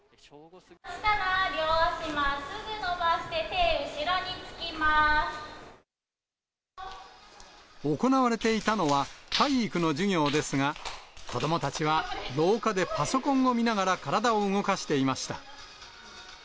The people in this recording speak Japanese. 両足まっすぐ伸ばして、行われていたのは体育の授業ですが、子どもたちは廊下でパソコンを見ながら体を動かしていました。